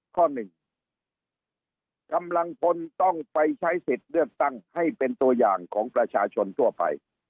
ข้อหนึ่งกำลังพลต้องไปใช้สิทธิ์เลือกตั้งให้เป็นตัวอย่างของประชาชนทั่วไป